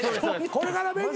これから勉強。